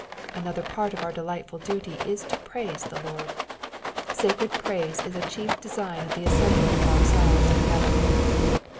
Another part of our delightful duty is to praise the Lord. &cred E raise is a chief design of the assembling of ourselves together.